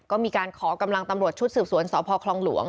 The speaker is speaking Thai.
ก็มีการขอกำลังตำรวจชุดสืบสวนสพคลองหลวง